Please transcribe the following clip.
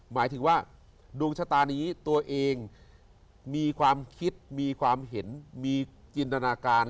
หมายถึงว่าดวงชะตานี้ตัวเองมีความคิดมีความเห็นมีจินตนาการ